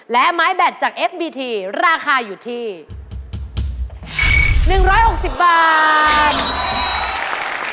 และไม้แบตจากเอฟบีทีราคาอยู่ที่หนึ่งร้อยหกสิบบาท